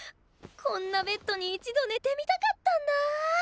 こんなベッドに一度寝てみたかったんだ。